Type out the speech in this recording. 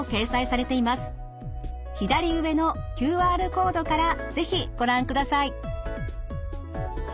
左上のＱＲコードから是非ご覧ください。